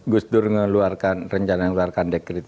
gusdur ngeluarkan rencana ngeluarkan dekret